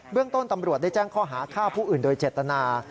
เรื่องต้นตำรวจได้แจ้งข้อหาฆ่าผู้อื่นโดยเจตนา